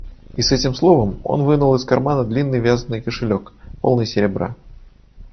И с этим словом он вынул из кармана длинный вязаный кошелек, полный серебра.